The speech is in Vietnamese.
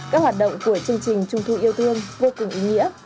các hoạt động của chương trình trung thu yêu thương vô cùng ý nghĩa